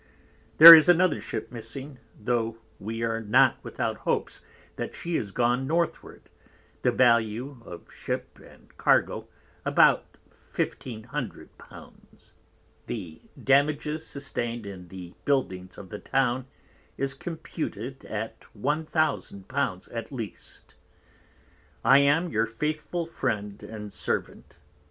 There is another Ship missing, tho we are not without hopes that she is gone Northward, the value of Ship and Cargo about 1500 l. The Damage sustain'd in the Buildings of the Town is computed at 1000 l. at least. _I am your faithful Friend and Servant.